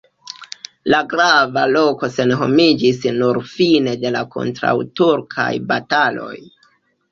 La grava loko senhomiĝis nur fine de la kontraŭturkaj bataloj.